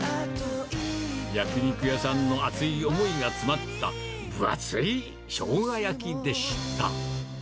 焼き肉屋さんの熱い思いが詰まった分厚いしょうが焼きでした。